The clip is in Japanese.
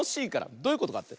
どういうことかって？